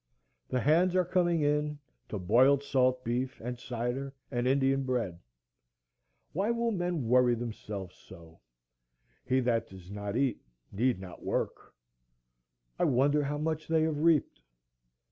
The hands are coming in to boiled salt beef and cider and Indian bread. Why will men worry themselves so? He that does not eat need not work. I wonder how much they have reaped.